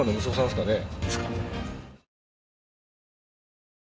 ですかね？